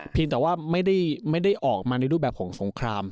แต่ว่าไม่ได้ออกมาในรูปแบบของสงคราม